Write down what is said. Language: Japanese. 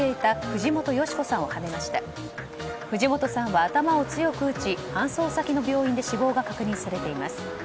藤本さんは頭を強く打ち搬送先の病院で死亡が確認されています。